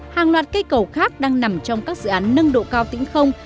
hàng loạt cây cầu khác đang nằm trong các dự án nâng độ cao tĩnh không